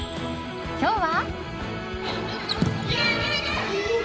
今日は。